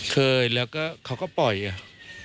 เคยแล้วก็เขาก็ปล่อยอ่ะ